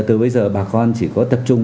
từ bây giờ bà con chỉ có tập trung